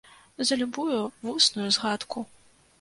За любую вусную згадку!